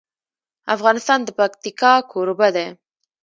افغانستان د پکتیکا کوربه دی.